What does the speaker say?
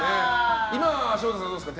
今は祥太さんどうですか？